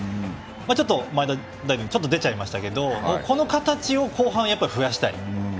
ちょっと前田大然が出ちゃいましたけどこの形を後半、増やしたい。